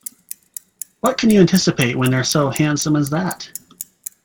What can you anticipate when they're so handsome as that?